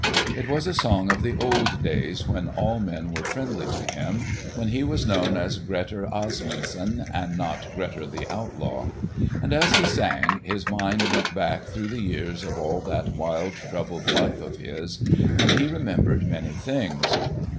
It was a song of the old days, when all men were friendly to him, when he was known as Grettir Asmundson and not Grettir the Outlaw; and as he sang, his mind went back through the years of all that wild, troubled life of his, and he remembered many things.